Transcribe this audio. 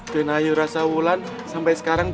denayur rashaulan sampai sekarang